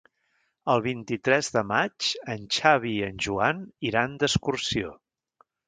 El vint-i-tres de maig en Xavi i en Joan iran d'excursió.